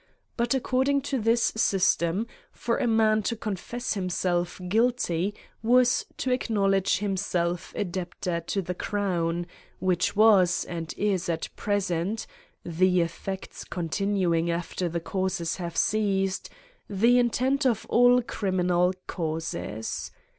But according to this system, for a man to confess him self guilty was to acknowledge himself a debtor to the crown ; which was, and is at present (the ef fects continuing after the causes have ceased) the intent of all criminal causes.